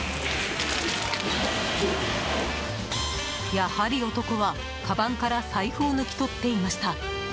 やはり男は、かばんから財布を抜き取っていました。